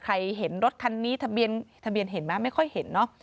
ใครเห็นรถคันนี้ทะเบียนเห็นไหมไม่ค่อยเห็นเนอะ